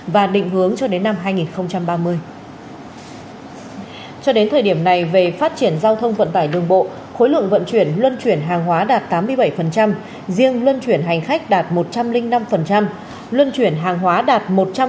và cái phương án của chúng tôi hiện nay là chúng tôi đang rà sót